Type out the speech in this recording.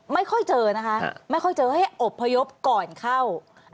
ไม่ค่อยเจอนะคะไม่ค่อยเจอให้อบพยพก่อนเข้า